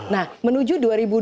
nah menuju dua ribu dua puluh